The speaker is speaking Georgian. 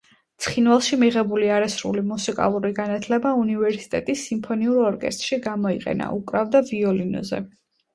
ცხინვალში მიღებული არასრული მუსიკალური განათლება უნივერსიტეტის სიმფონიურ ორკესტრში გამოიყენა, უკრავდა ვიოლინოზე.